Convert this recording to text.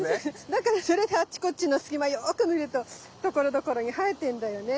だからそれであっちこっちの隙間よく見るとところどころに生えてんだよね。